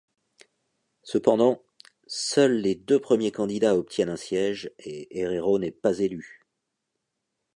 Cependant, seuls les deux premiers candidats obtiennent un siège et Herrero n'est pas élu.